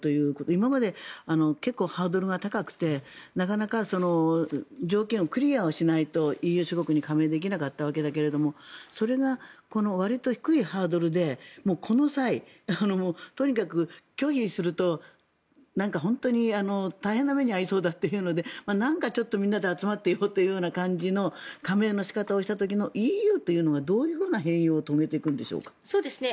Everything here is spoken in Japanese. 今まで結構、ハードルが高くてなかなか条件をクリアしないとＥＵ諸国に加盟できなかったわけだけれどそれがわりと低いハードルでもうこの際、とにかく拒否すると本当に大変な目に遭いそうだというのでなんかみんなで集まっていようという感じの加盟の仕方をした時のＥＵというのはどういう変異を遂げていくんでしょうか。